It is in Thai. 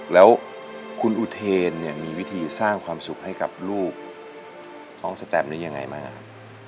แล้วคุณอุเทนเนี่ยมีวิธีสร้างความสุขให้กับลูกน้องสแตมนี้ยังไงบ้างครับ